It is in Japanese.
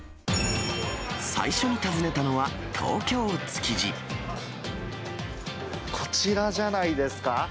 最初に訪ねたのは、東京・築こちらじゃないですか。